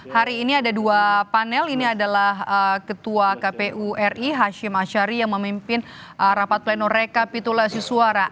hari ini ada dua panel ini adalah ketua kpu ri hashim ashari yang memimpin rapat pleno rekapitulasi suara